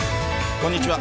こんにちは。